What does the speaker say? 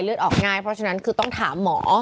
ออกง่ายเพราะฉะนั้นคือต้องถามหมอ